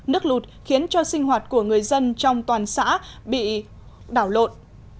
nước lụt khiến cho sinh hoạt của người dân trong toàn xã bị đảo lộn